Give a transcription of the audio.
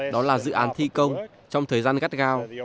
đó là dự án thi công trong thời gian gắt gao